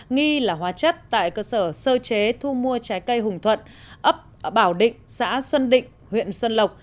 nghi là hóa chất tại cơ sở sơ chế thu mua trái cây hùng thuận ấp bảo định xã xuân định huyện xuân lộc